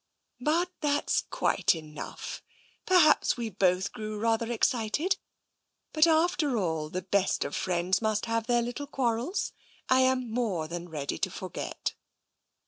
" But that's quite enough ! Perhaps we both grew rather excited; but after all, the best of friends must have their little quarrels. I am more than ready to forget.''